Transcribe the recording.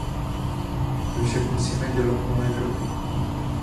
My však musíme dělat malé kroky.